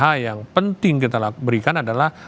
hal yang penting kita berikan adalah